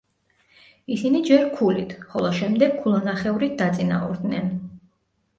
ისინი ჯერ ქულით, ხოლო შემდეგ ქულანახევრით დაწინაურდნენ.